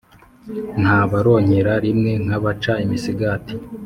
Nta baronkera rimwe nk’abaca imisigati.